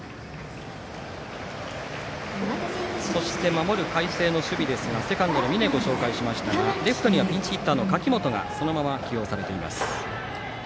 そして守る海星の守備ですがセカンドの峯をご紹介しましたがレフトにはピンチヒッターの柿本がそのまま起用されています。